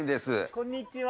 こんにちは。